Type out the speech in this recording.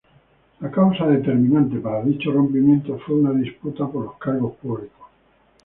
La causa determinante para dicho rompimiento fue una disputa por los cargos públicos.